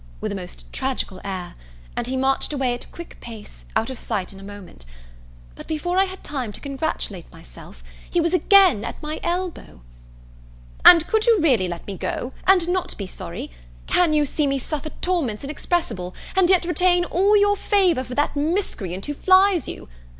with a most tragical air; and he marched away at a quick pace, out of sight in a moment; but before I had time to congratulate myself, he was again at my elbow. "And could you really let me go, and not be sorry? Can you see me suffer torments inexpressible, and yet retain all your favour for that miscreant who flies you?